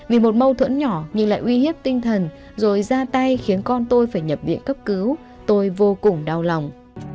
vì một mâu thuẫn nhỏ nhưng lại uy hiếp tinh thần rồi ra tay khiến con tôi phải nhập viện cấp cứu tôi vô cùng đau lòng